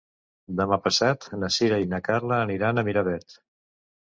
Demà passat na Sira i na Carla aniran a Miravet.